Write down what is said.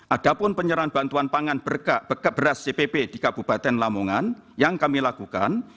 ada pun penyerahan bantuan pangan beras cpp di kabupaten lamongan yang kami lakukan